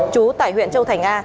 chú tại huyện châu thành a